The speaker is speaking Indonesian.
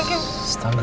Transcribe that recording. gamesya udah anche